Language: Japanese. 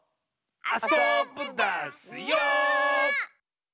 あそぶダスよ！